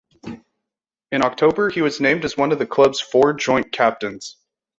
In October, he was named as one of the club's four joint-captains.